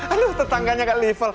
aluh tetangganya gak level